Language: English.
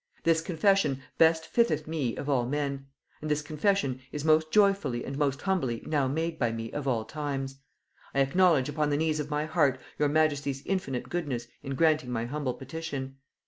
This confession best fitteth me of all men; and this confession is most joyfully and most humbly now made by me of all times. I acknowledge upon the knees of my heart your majesty's infinite goodness in granting my humble petition.